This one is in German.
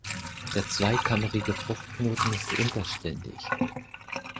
Der zweikammerige Fruchtknoten ist unterständig.